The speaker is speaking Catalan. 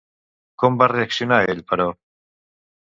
Com va reaccionar ell, però?